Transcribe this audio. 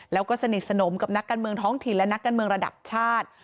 แล้วก็สนิทสนมกับนักการเมืองท้องถิ่นและนักการเมืองระดับชาติ